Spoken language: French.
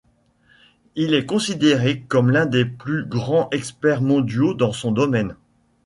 Il est considéré comme l'un des plus grands experts mondiaux dans son domaine.